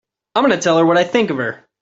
I'm going to tell her what I think of her!